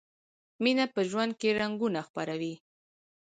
مینه په ژوند کې رنګونه خپروي.